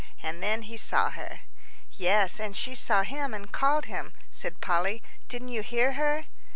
And then he saw her." "Yes, and she saw him and called him," said Polly, "didn't you hear her?"